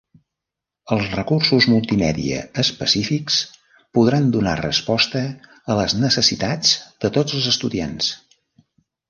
Els recursos multimèdia específics podran donar resposta a les necessitats de tots els estudiants.